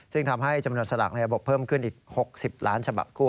ซึ่งทำให้จำนวนสลากในระบบเพิ่มขึ้นอีก๖๐ล้านฉบับคั่ว